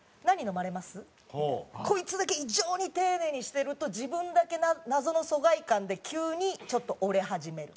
こいつだけ異常に丁寧にしてると自分だけ謎の疎外感で急にちょっと折れ始める。